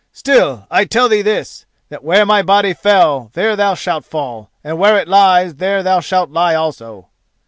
Still, I tell thee this: that where my body fell there thou shalt fall, and where it lies there thou shalt lie also."